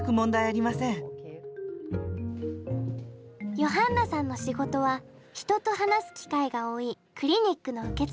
ヨハンナさんの仕事は人と話す機会が多いクリニックの受付。